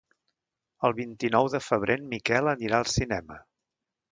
El vint-i-nou de febrer en Miquel anirà al cinema.